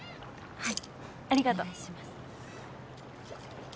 はい。